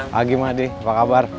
pagi mahdi apa kabar